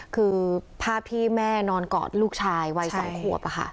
คือภาพที่แม่นอนกอดลูกชายวัย๒ขวบ